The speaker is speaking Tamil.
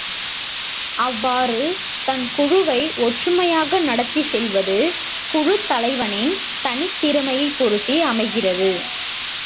அவ்வாறு தன் குழுவை ஒற்றுமையாக நடத்திச் செல்வது குழுத் தலைவனின் தனித்திறமையைப் பொறுத்தே அமைகிறது.